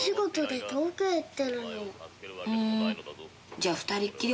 「じゃあ２人っきり？